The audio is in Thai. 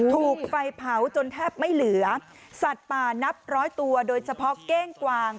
ถูกไฟเผาจนแทบไม่เหลือสัตว์ป่านับร้อยตัวโดยเฉพาะเก้งกวาง